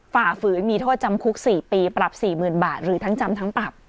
ฝ่าฝืนมีโทษจำคุก๔ปีปรับ๔๐๐๐บาทหรือทั้งจำทั้งปรับ